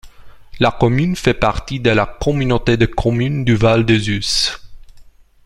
La commune fait partie de la communauté de communes du val des Usses.